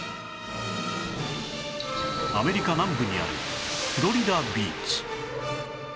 アメリカ南部にあるフロリダビーチ